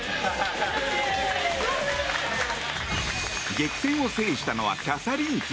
激戦を制したのはキャサリン妃。